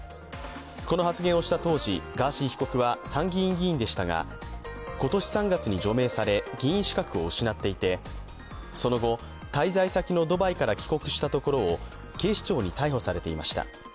この発言をした当時、ガーシー被告は参議院議員でしたが、今年３月に除名され、議員資格を失っていて、その後、滞在先のドバイから帰国したところを警視庁に逮捕されていました。